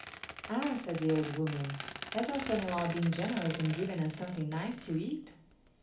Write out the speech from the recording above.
"Ah," said the old woman, "has our son in law been generous and given us something nice to eat?"